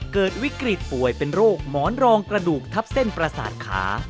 เกิดวิกฤตป่วยเป็นโรคหมอนรองกระดูกทับเส้นประสาทขา